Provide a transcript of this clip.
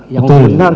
yang tidak benar